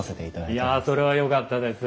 いやそれはよかったです。